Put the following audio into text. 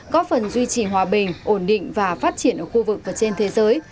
góp phần duy trì hòa bình ổn định và phát triển ở khu vực và trên thế giới